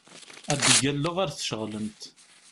Ad d-ggalleɣ ar tceɣlemt.